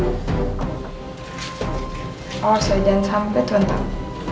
awal sejalan sampai tuan tau